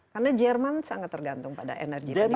karena jerman sangat tergantung pada energi